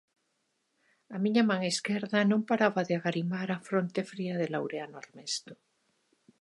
A miña man esquerda non paraba de agarimar a fronte fría de Laureano Armesto.